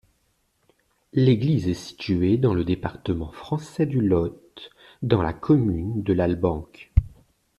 L'église est située dans le département français du Lot dans la commune de Lalbenque.